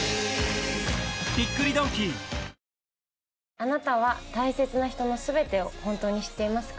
あなたは大切な人のすべてを本当に知っていますか？